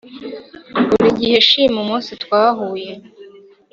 buri gihe nshima umunsi twahuye